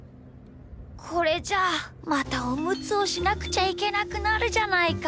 これじゃあまたおむつをしなくちゃいけなくなるじゃないか。